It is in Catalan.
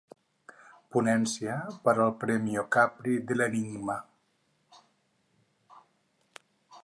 Ponència per al Premio Capri dell'Enigma.